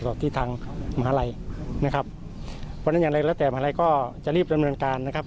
ที่ทางมหาลัยนะครับเพราะฉะนั้นอย่างไรแล้วแต่มหาลัยก็จะรีบดำเนินการนะครับ